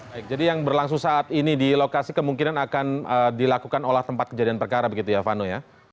baik jadi yang berlangsung saat ini di lokasi kemungkinan akan dilakukan olah tempat kejadian perkara begitu ya vano ya